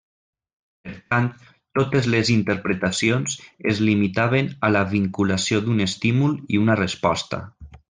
Per tant, totes les interpretacions es limitaven a la vinculació d'un estímul i una resposta.